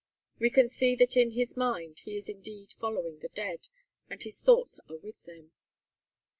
We can see that in his mind he is indeed following the dead, and his thoughts are with them.